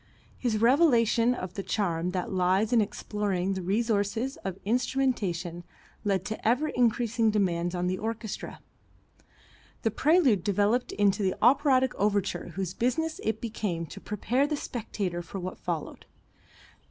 His revelation of the charm that lies in exploring the resources of instrumentation led to ever increasing demands on the orchestra. The prelude developed into the operatic overture whose business it became to prepare the spectator for what followed.